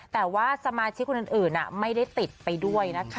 แต่ว่าสมาชิกคนอื่นไม่ได้ติดไปด้วยนะคะ